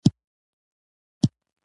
دې کار زموږ ملي هویت له منځه وړی دی.